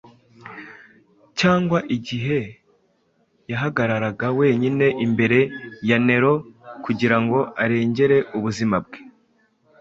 cyangwa igihe yahagararaga wenyine imbere ya Nero kugira ngo arengere ubuzima bwe,